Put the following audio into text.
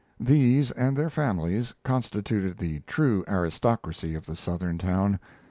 These and their families constituted the true aristocracy of the Southern town.